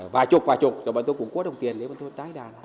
vài chục vài chục rồi bọn tôi cũng có đồng tiền để bọn tôi tái đàn